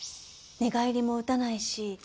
寝返りも打たない。